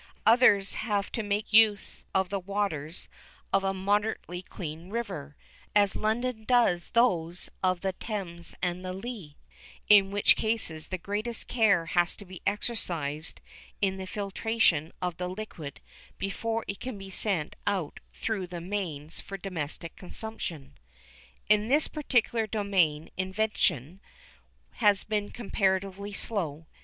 Others have to make use of the waters of a moderately clean river, as London does those of the Thames and Lea, in which cases the greatest care has to be exercised in the filtration of the liquid before it can be sent out through the mains for domestic consumption. In this particular domain invention has been comparatively slow.